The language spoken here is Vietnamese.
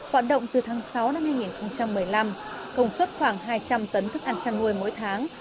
hoạt động từ tháng sáu năm hai nghìn một mươi năm công suất khoảng hai trăm linh tấn thức ăn chăn nuôi mỗi tháng